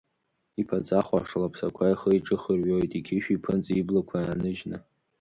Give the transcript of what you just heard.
Иԥаҵа хәашлаԥсақәа ихы-иҿы хырҩоит, иқьышәи, иԥынҵеи, иблақәеи ааныжьны.